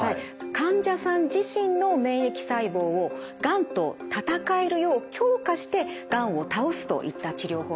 患者さん自身の免疫細胞をがんと戦えるよう強化してがんを倒すといった治療法になります。